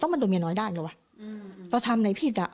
ต้องมาโดมียาน้อยได้ด้วยหรอเราทำไหนผิดอ่ะ